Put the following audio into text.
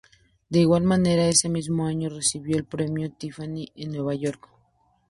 De igual manera ese mismo año, recibió el Premio Tiffany en Nueva York.